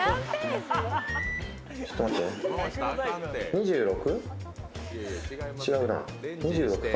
２６？